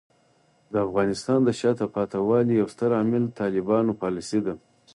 د افغانستان د شاته پاتې والي یو ستر عامل طالبانو پالیسۍ دي.